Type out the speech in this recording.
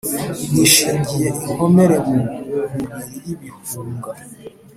Nishingiye inkomere mu nkubili y’ibihunga,